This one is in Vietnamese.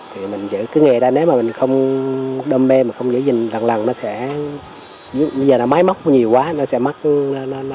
thì mình giữ cái nghề đó nếu mà mình không đam mê không giữ gìn lần lần nó sẽ bây giờ là máy móc nhiều quá nó sẽ mắc xã hội phát triển nhanh đó